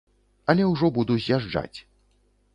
Але ўжо буду з'язджаць.